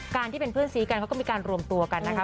ที่เป็นเพื่อนซีกันเขาก็มีการรวมตัวกันนะคะ